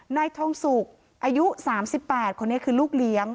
นายทองสุกอายุ๓๘คนนี้คือลูกเลี้ยง